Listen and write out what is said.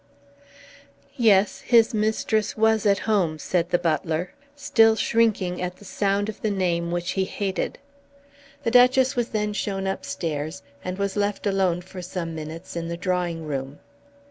"Yes, his mistress was at home," said the butler, still shrinking at the sound of the name which he hated. The Duchess was then shown upstairs, and was left alone for some minutes in the drawing room.